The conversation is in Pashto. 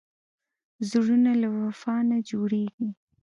زړونه له وفا نه جوړېږي.